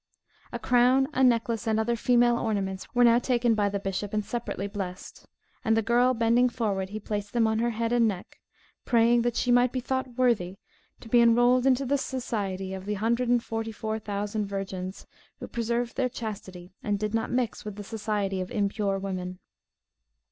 A crown, a necklace, and other female ornaments, were now taken by the bishop and separately blessed; and the girl bending forward, he placed them on her head and neck, praying that she might be thought worthy "to be enrolled into the society of the hundred and forty four thousand virgins, who preserved their chastity and did not mix with the society of impure women."